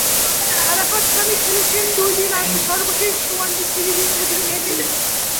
আরাফাত সানি খেলেছেন দুই দিন আগে সর্বশেষ ওয়ানডে সিরিজের প্রতিটি ম্যাচই।